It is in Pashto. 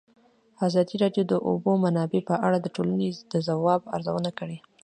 ازادي راډیو د د اوبو منابع په اړه د ټولنې د ځواب ارزونه کړې.